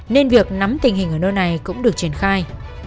nên việc nắm tình hình ở nơi này cũng được triển khai